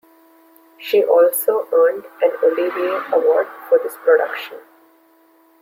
She also earned an Olivier Award for this production.